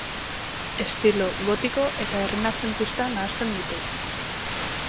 Estilo gotiko eta errenazentista nahasten ditu.